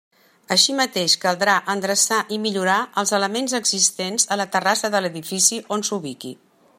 Així mateix caldrà endreçar i millorar els elements existents a la terrassa de l'edifici on s'ubiqui.